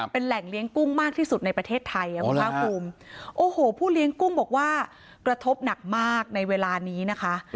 เป็นแหล่งเลี้ยงกุ้งมากที่สุดในประเทศไทยคุณภาคภูมิโอ้โหผู้เลี้ยงกุ้งบอกว่ากระทบหนักมากในเวลานี้นะคะ